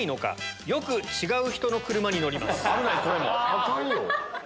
アカンよ！